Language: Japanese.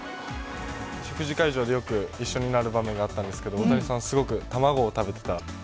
食事会場でよく一緒になる場面があったんですけども、大谷さん、すごく卵を食べてた。